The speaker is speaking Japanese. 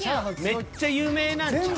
めっちゃ有名なんちゃう？